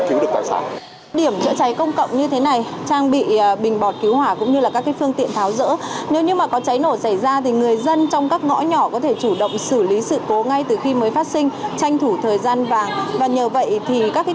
tranh thủ thời gian vàng và nhờ vậy thì các thiệt hại do cháy nổ gây ra có thể được giảm thiểu thấp nhất